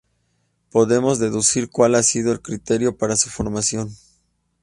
Podemos deducir cuál ha sido el criterio para su formación